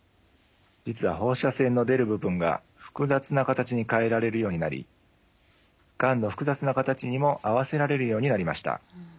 実は放射線の出る部分が複雑な形に変えられるようになりがんの複雑な形にも合わせられるようになりました。